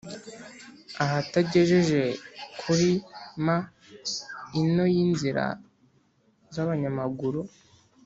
ahatagejeje kuri m ino y’inzira z’abanyamaguru